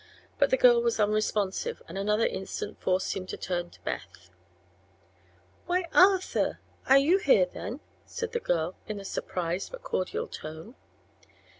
But the girl was unresponsive and another instant forced him to turn to Beth. "Why, Arthur! are you here, then?" said the girl, in a surprised but cordial tone.